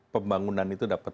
pembangunan itu dapat